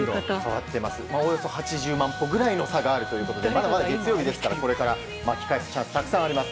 およそ８０万歩ぐらいの差があるということでまだまだ月曜日ですから巻き返すチャンスあります。